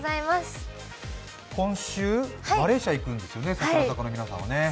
今週マレーシア行くんですよね、櫻坂の皆さんはね。